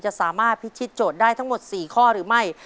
สามารถพิชิตโจทย์ได้ทั้งหมด๔ข้อหรือไม่